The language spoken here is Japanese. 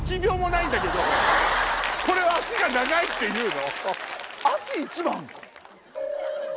これは脚が長いって言うの？